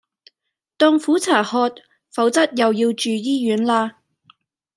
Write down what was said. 當苦茶喝，否則又要住醫院啦